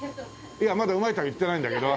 いやまだうまいとは言ってないんだけど。